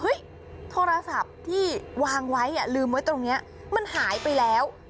โทรศัพท์ที่วางไว้ลืมไว้ตรงนี้มันหายไปแล้ว